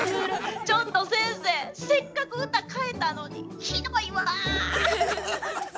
ちょっと先生せっかく歌替えたのにひどいわ。